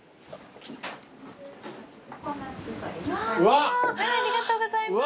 ありがとうございます。